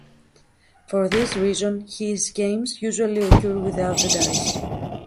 For this reason, his games usually occur without a dice.